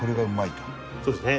そうですね。